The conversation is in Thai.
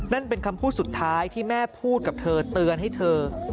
นั่นเป็นคำพูดสุดท้ายที่แม่พูดกับเธอเตือนให้เธอ